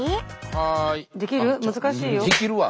はい。